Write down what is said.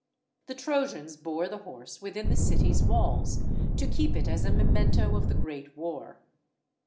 The Trojans bore the horse within the city's walls, to keep it as a memento of the great war.